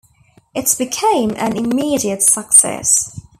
It became an immediate success.